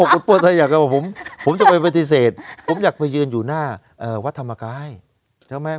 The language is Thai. คุณเปิ้ลถ้าอยากจะบอกผมผมจะไปปฏิเสธผมอยากไปยืนอยู่หน้าวัดธรรมกายใช่ไหม